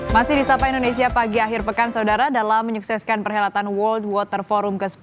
masih di sapa indonesia pagi akhir pekan saudara dalam menyukseskan perhelatan world water forum ke sepuluh